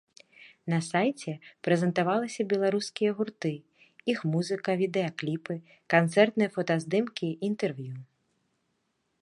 На сайце прэзентаваліся беларускія гурты, іх музыка, відэакліпы, канцэртныя фотаздымкі, інтэрв'ю.